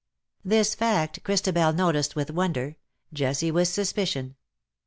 This fact Christabel noticed with wonder, Jessie with suspicion.